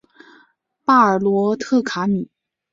巴尔罗特卡米。